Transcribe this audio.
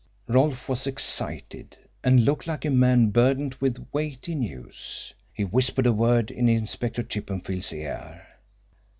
Rolfe was excited, and looked like a man burdened with weighty news. He whispered a word in Inspector Chippenfield's ear.